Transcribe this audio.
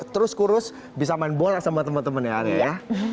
terus kurus bisa main bola sama teman temannya arya